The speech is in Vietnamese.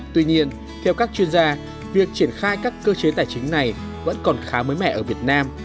tuy nhiên theo các chuyên gia việc triển khai các cơ chế tài chính này vẫn còn khá mới mẻ ở việt nam